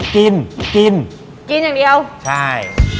กินกินอย่างเดียวใช่